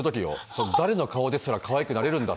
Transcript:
誰の顔ですらかわいくなれるんだっていう。